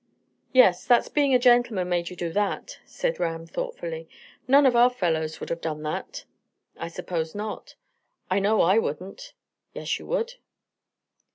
"Yes; that's being a gentleman made you do that," said Ram thoughtfully. "None of our fellows would have done that." "I suppose not." "I know I wouldn't." "Yes, you would."